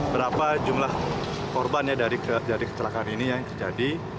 berapa jumlah korban ya dari kecelakaan ini yang terjadi